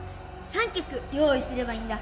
３きゃく用いすればいいんだ！